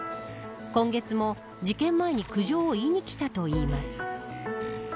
今月も事件前に苦情を言いに来たといいます。